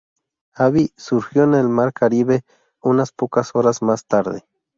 Abby surgió en el Mar Caribe unas pocas horas más tarde.